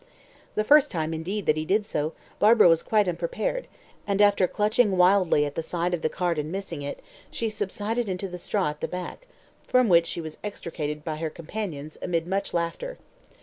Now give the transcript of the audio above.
The first time, indeed, that he did so, Barbara was quite unprepared, and, after clutching wildly at the side of the cart and missing it, she subsided into the straw at the back, from which she was extricated by her companions, amid much laughter.